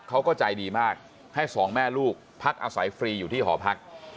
เขาก็ใจดีมากให้สองแม่ลูกพักอาศัยฟรีอยู่ที่หอพัก